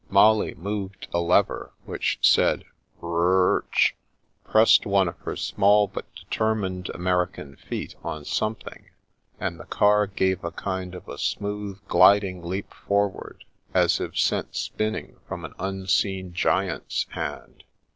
Molly moved a lever which said " R r r tch," pressed one of her small but deter mined American feet on something, and the car gave a kind of a smooth, gliding leap forward, as if sent spinning from an unseen giant's hand.